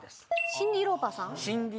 シンディ・ローパーさん？